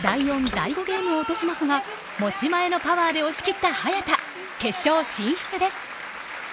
第４、第５ゲームを落としますが持ち前のパワーで押し切った早田。